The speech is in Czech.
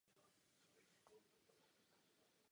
Složila řeholní sliby a přijala jméno Klára.